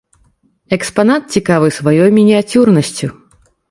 Экспанат цікавы сваёй мініяцюрнасцю.